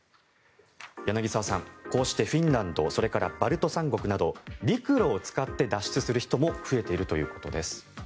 柳澤さん、こうしてフィンランドそれからバルト三国など陸路を使って脱出する人も増えているということです。